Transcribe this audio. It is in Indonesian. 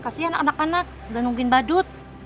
kasih anak anak anak udah nungguin badut